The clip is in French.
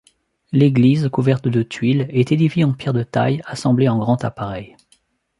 L'église, couverte de tuiles, est édifiée en pierre de taille assemblée en grand appareil.